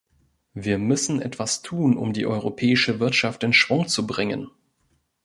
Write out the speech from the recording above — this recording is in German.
Wir müssen etwas tun, um die europäische Wirtschaft in Schwung zubringen.